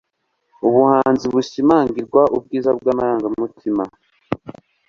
ubuhanzi bushimangirwa ubwiza bw'amarangamutima